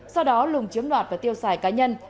sau đó lùng chiếm đoạt và tiêu xài cá nhân